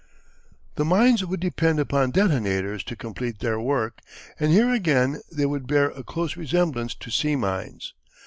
The mines would depend upon detonators to complete their work, and here again they would bear a close resemblance to sea mines.